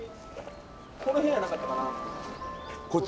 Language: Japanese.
この辺やなかったかな？